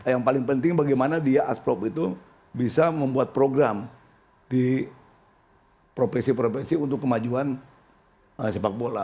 yang paling penting bagaimana dia asprop itu bisa membuat program di provinsi provinsi untuk kemajuan sepak bola